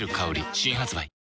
新発売